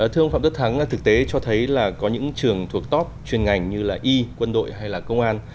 thưa ông phạm đức thắng thực tế cho thấy là có những trường thuộc top chuyên ngành như y quân đội hay là công an